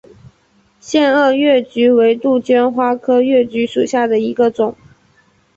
腺萼越桔为杜鹃花科越桔属下的一个种。